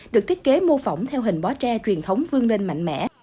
được thiết kế mô phỏng theo hình bó tre truyền thống vương lên mạnh mẽ